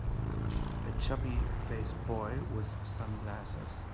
A chubby faced boy with sunglasses.